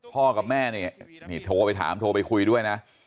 กับแม่นี่โทรไปถามโทรไปคุยด้วยนะ